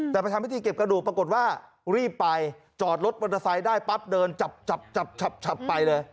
แต่ไปทำพิธีเก็บกระดูกปรากฏว่ารีบไปจอดรถมอเตอร์ไซค์ได้ปั๊บเดินจับจับฉับไปเลย